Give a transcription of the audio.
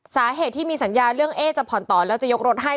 สาเหตุที่มีสัญญาเรื่องเอ๊จะผ่อนต่อแล้วจะยกรถให้